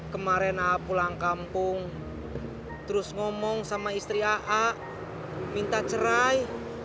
kemarin pulang kampung terus ngomong sama istri aa minta cerai